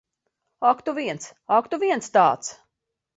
Ak tu viens. Ak, tu viens tāds!